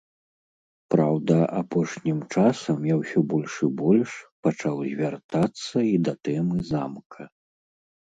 Праўда, апошнім часам я ўсё больш і больш пачаў звяртацца і да тэмы замка.